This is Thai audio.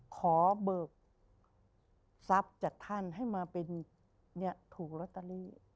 ขอเบิกทรัพย์จัดที่ให้มาเป็นถูกลตารี